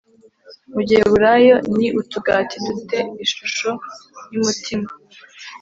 Mu giheburayo ni utugati dute ishusho y umutima